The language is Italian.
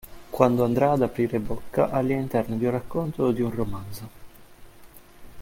Quando andrà ad aprire bocca all'interno di un racconto o di un romanzo.